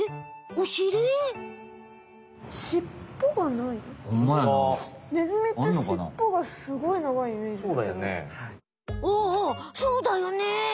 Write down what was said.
おおおおそうだよね。